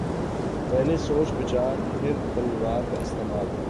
پہلے سوچ بچار پھر تلوار کااستعمال۔